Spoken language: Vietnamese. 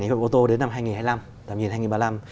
những cái ô tô đến năm hai nghìn hai mươi năm